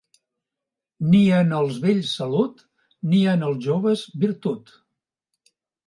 Ni en els vells salut, ni en els joves virtut.